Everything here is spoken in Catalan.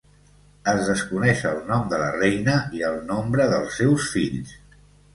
Es desconeix el nom de la reina i el nombre dels seus fills.